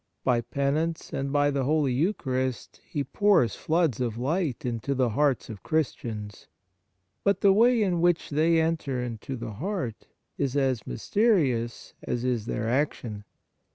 By Penance and by the Holy Eucharist, He pours floods of light into the hearts of Christians ; but the way in which they enter into the heart is as mysterious as is their action.